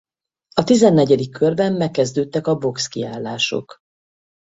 A tizennegyedik körben megkezdődtek a boxkiállások.